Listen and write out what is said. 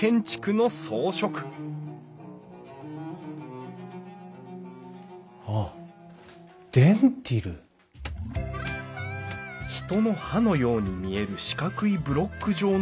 人の歯のように見える四角いブロック状の模様のこと。